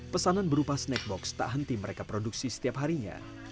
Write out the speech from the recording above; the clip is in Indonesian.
pesanan berupa snack box tak henti mereka produksi setiap harinya